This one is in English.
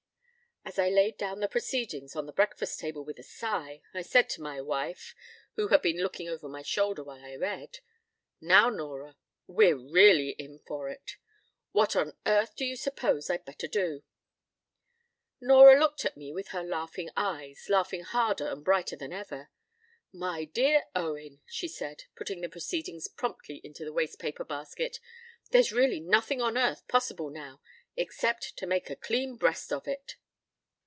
p> As I laid down the Proceedings on the breakfast table with a sigh, I said to my wife (who had been looking over my shoulder while I read): "Now, Nora, we're really in for it. What on earth do you suppose I'd better do?" Nora looked at me with her laughing eyes laughing harder and brighterthan ever. "My dear Owen," she said, putting the Proceedings promptly into the waste paper basket, "there's really nothing on earth possible now, except to make a clean breast of it."